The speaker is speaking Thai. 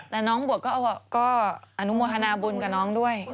แต่น้องบวชก็อนุโมทนาบุญกับน้องด้วย